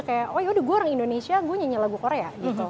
kayak oh yaudah gue orang indonesia gue nyanyi lagu korea gitu